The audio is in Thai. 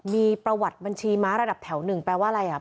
มีประวัติบัญชีม้าระดับแถวหนึ่งแปลว่าอะไรอ่ะ